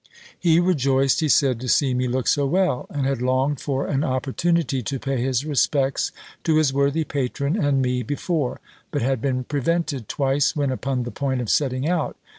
He rejoiced, he said, to see me look so well; and had longed for an opportunity to pay his respects to his worthy patron and me before: but had been prevented twice when upon the point of setting out.